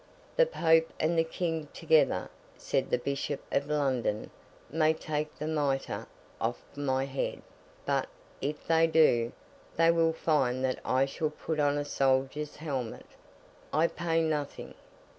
'The Pope and the King together,' said the Bishop of London, 'may take the mitre off my head; but, if they do, they will find that I shall put on a soldier's helmet. I pay nothing.